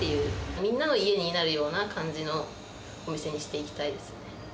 みんなの家になるような感じのお店にしていきたいですね。